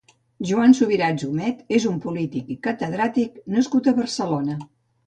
Joan Subirats Humet és un polític i catedràtic nascut a Barcelona.